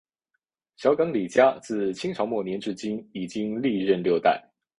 小港李家自清朝末年至今已经历六代。